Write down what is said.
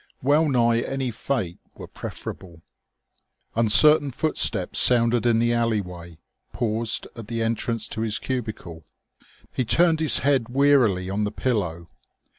Wellnigh any fate were preferable.... Uncertain footsteps sounded in the alleyway, paused at the entrance to his cubicle. He turned his head wearily on the pillow.